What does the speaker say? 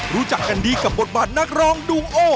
รู้จักกันดีกับบทบาทนักร้องดูงโอ